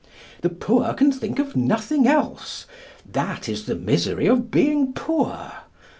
The poor can think of nothing else. That is the misery of being poor.